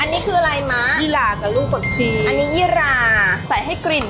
อันนี้คืออะไรแม่อีรอันเนี้ยลูกสดชีสอันนี้อีราสายให้กลิ่น